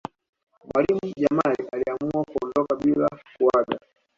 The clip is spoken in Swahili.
mwalimu jamali aliamua kuondoka bila kuaga